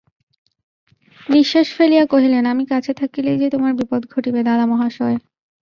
নিশ্বাস ফেলিয়া কহিলেন, আমি কাছে থাকিলেই যে তোমার বিপদ ঘটিবে দাদামহাশয়।